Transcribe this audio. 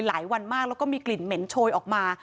หลายวันมากแล้วก็มีกลิ่นเหม็นโชยออกมา